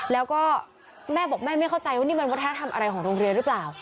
แล้วก็แม่บอกแม่ไม่เข้าใจว่านี่มันวัฒนธรรมอะไรของโรงเรียนหรือเปล่า